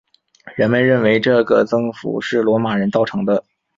人们认为这个增幅是罗马人造成的。